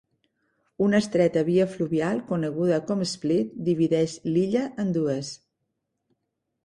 Una estreta via fluvial coneguda com "Split" divideix l'illa en dues.